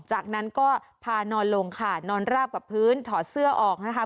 จากนั้นก็พานอนลงค่ะนอนราบกับพื้นถอดเสื้อออกนะคะ